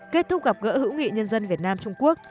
kết thúc gặp gỡ hữu nghị nhân dân việt nam trung quốc